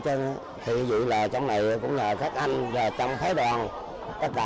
cái hảo tâm với là